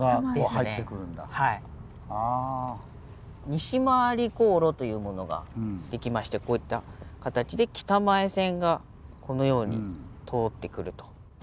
「西廻り航路」というものが出来ましてこういった形で北前船がこのように通ってくると。